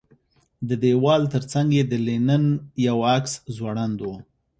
د دېوال ترڅنګ یې د لینن یو عکس ځوړند و